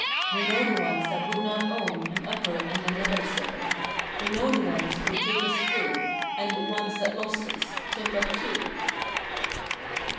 We know the ones that would not own An upper and a nether stone. We know the ones who'll take us through And the ones that lost us—Timbuctoo.